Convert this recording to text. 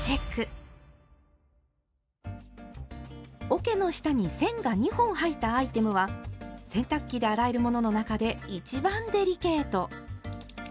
おけの下に線が２本入ったアイテムは洗濯機で洗えるものの中で一番デリケート。